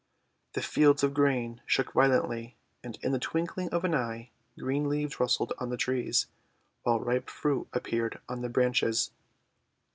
The fields of grain shook violently. And in the twinkling of an eye, green leaves rustled on the trees, while ripe fruit ap peared on the branches.